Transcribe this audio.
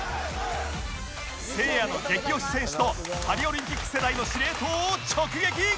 せいやの激推し選手とパリオリンピック世代の司令塔を直撃！